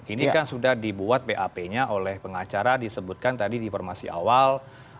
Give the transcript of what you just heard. ini kan sudah dibuat bap nya oleh pengacara disebutkan tadi di informasi awal